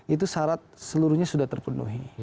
itu syarat seluruhnya sudah terpenuhi